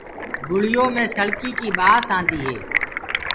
گُݪيو مي سݪڪيٚ ڪيٚ ٻآس آندي هي۔